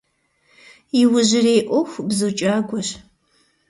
Иужьрей Iуэху бзу кIагуэщ.